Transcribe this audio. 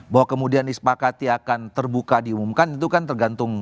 bahwa kemudian disepakati akan terbuka diumumkan itu kan tergantung